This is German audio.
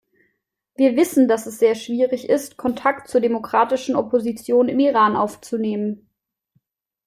Wir wissen, dass es sehr schwierig ist, Kontakt zur demokratischen Opposition im Iran aufzunehmen.